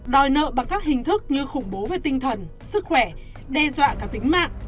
đòi nợ bằng các hình thức như khủng bố về tinh thần sức khỏe đe dọa cả tính mạng